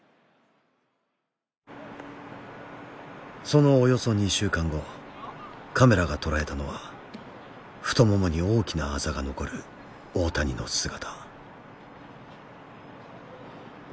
そのおよそ２週間後カメラが捉えたのは太ももに大きなアザが残る大谷の姿。